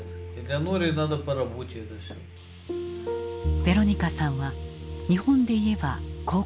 ヴェロニカさんは日本で言えば高校１年生。